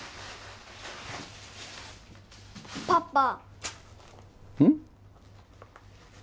パパうん？